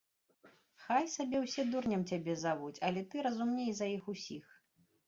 Хай сабе ўсе дурнем цябе завуць, але ты разумней за іх усіх.